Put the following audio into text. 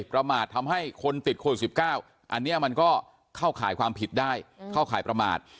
ประมาททำให้คนติดโควิด๑๙อันนี้มันก็เข้าข่ายความผิดได้เข้าข่ายประมาท